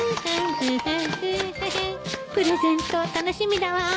プレゼント楽しみだわ